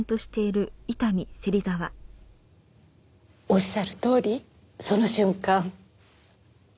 おっしゃるとおりその瞬間